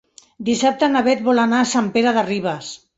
Dissabte na Beth vol anar a Sant Pere de Ribes.